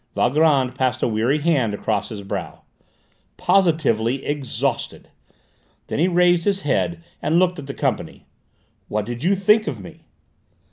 Valgrand passed a weary hand across his brow. "Positively exhausted!" Then he raised his head and looked at the company. "What did you think of me?"